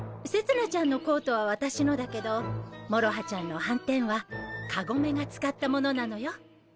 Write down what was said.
せつなちゃんのコートは私のだけどもろはちゃんの半纏はかごめが使ったものなのよ。